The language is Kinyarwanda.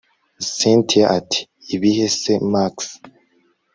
cyntia ati ibihe se max